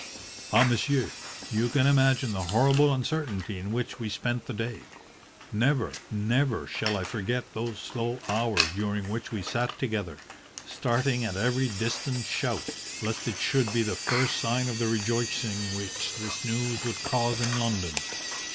"Ah! monsieur, you can imagine the horrible uncertainty in which we spent the day. Never, never shall I forget those slow hours during which we sat together, starting at every distant shout, lest it should be the first sign of the rejoicing which this news would cause in London.